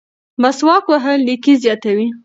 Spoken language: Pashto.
مسواک وهل نیکي زیاتوي.